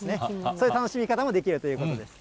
そういう楽しみ方もできるということです。